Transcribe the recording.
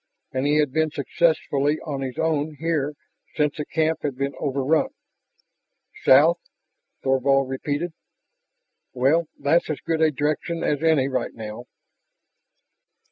And he had been successfully on his own here since the camp had been overrun. "South," Thorvald repeated. "Well, that's as good a direction as any right now."